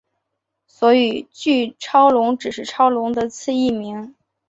所以巨超龙只是超龙的次异名。